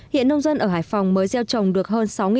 hiện nông dân ở hải phòng mới gieo trồng bệnh xương mai